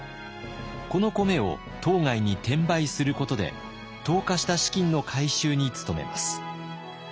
この米を島外に転売することで投下した資金の回収に努めます。